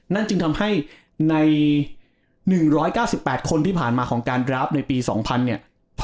นั่นจึงทำให้ใน๑๙๘คนที่ผ่านมาของการดราฟในปี๒๐๐เนี่ย